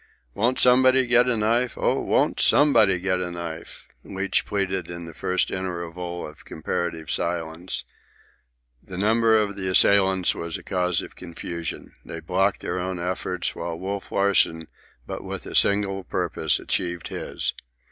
"Won't somebody get a knife? Oh, won't somebody get a knife?" Leach pleaded in the first interval of comparative silence. The number of the assailants was a cause of confusion. They blocked their own efforts, while Wolf Larsen, with but a single purpose, achieved his.